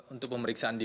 untuk pemeriksaan di